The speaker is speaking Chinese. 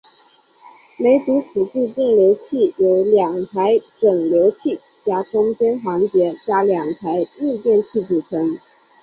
每组辅助变流器由两台整流器加中间环节加两台逆变器组成。